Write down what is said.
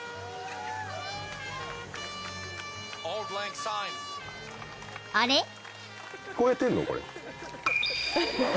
［あれ？］